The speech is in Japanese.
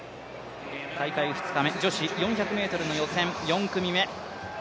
大会２日目、女子４００ｍの予選４組目。